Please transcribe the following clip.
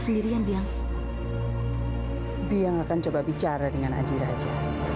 kalian biang biang akan coba bicara dengan aji raja